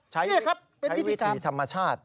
ใช้วิธีธรรมชาติใช้วิธีธรรมชาติใช้วิธีธรรมชาติ